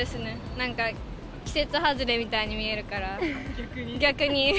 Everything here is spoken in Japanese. なんか季節外れみたいに見えるから。